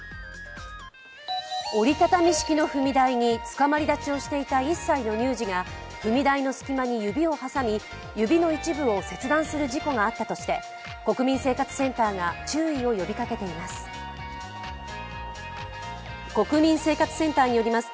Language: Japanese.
折り畳み式の踏み台につかまり立ちをしていた１歳の乳児が踏み台の隙間に指を挟み指の一部を切断する事故があったとして、国民生活センターが注意を呼びかけています。